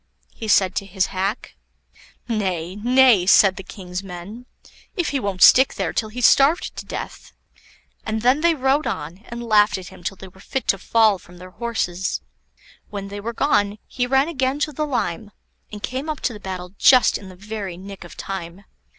he said to his hack. "Nay, nay," said the King's men; "if he won't stick there till he's starved to death." And then they rode on, and laughed at him till they were fit to fall from their horses. When they were gone, he ran again to the lime, and came up to the battle just in the very nick of time.